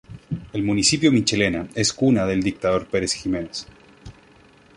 El Municipio Michelena es cuna del Dictador Perez Jimenez.